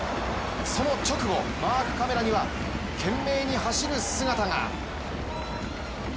その直後、マークカメラには懸命に走る姿が。